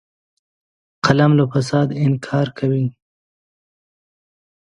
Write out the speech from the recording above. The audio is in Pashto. قلم له فساده انکار کوي